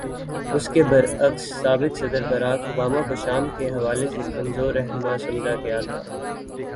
اس کے برعکس، سابق صدر بارک اوباما کو شام کے حوالے سے کمزور رہنما سمجھا گیا تھا۔